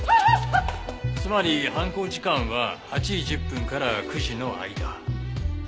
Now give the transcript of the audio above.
つまり犯行時間は８時１０分から９時の間。